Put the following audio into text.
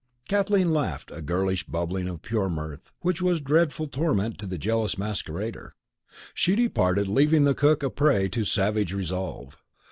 Kathleen laughed, a girlish bubbling of pure mirth, which was dreadful torment to the jealous masquerader. She departed, leaving the cook a prey to savage resolve.